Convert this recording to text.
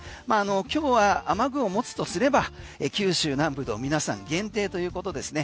今日は雨具を持つとすれば九州南部の皆さん限定ということですね。